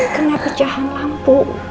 kena pecahan lampu